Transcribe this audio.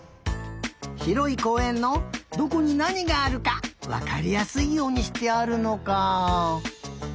ひろいこうえんのどこになにがあるかわかりやすいようにしてあるのか。